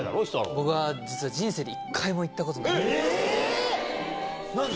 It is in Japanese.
僕は実は人生で一回も行ったなんで？